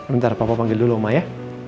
bentar papa panggil dulu oma ya